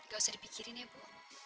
gak usah dipikirin ya bu